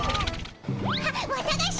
あわたがし！